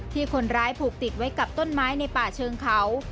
ที่คนร้ายผูกติดไว้กับต้นไม้ในป่าเชิงเขา